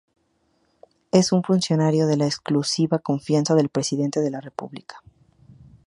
Es un funcionario de la exclusiva confianza del Presidente de la República.